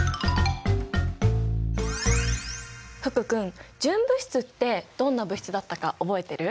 福君純物質ってどんな物質だったか覚えてる？